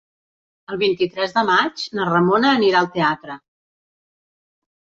El vint-i-tres de maig na Ramona anirà al teatre.